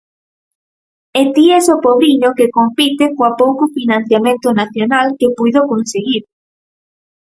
E ti es o pobriño que compite coa pouco financiamento nacional que puido conseguir.